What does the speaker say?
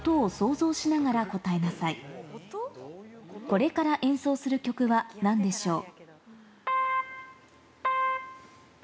これから演奏する曲は何でしょう？